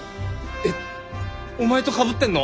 えっお前とかぶってんの？